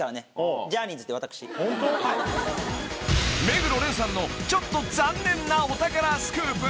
［目黒蓮さんのちょっと残念なお宝スクープ］